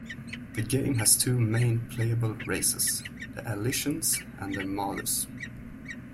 The game has two main playable races: the Alyssians and the Malus.